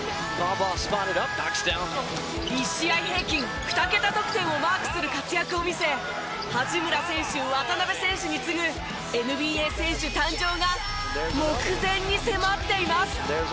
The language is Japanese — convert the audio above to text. １試合平均２桁得点をマークする活躍を見せ八村選手渡邊選手に次ぐＮＢＡ選手誕生が目前に迫っています。